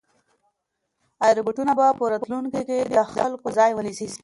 ایا روبوټونه به په راتلونکي کې د خلکو ځای ونیسي؟